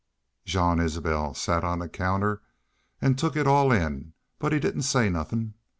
"Jean Isbel set on the counter an took it all in, but he didn't say nothin'.